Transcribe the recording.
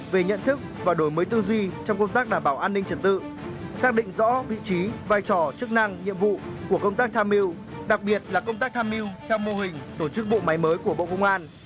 về nhận thức và đổi mới tư duy trong công tác đảm bảo an ninh trật tự xác định rõ vị trí vai trò chức năng nhiệm vụ của công tác tham mưu đặc biệt là công tác tham mưu theo mô hình tổ chức bộ máy mới của bộ công an